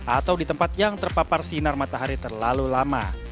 atau di tempat yang terpapar sinar matahari terlalu lama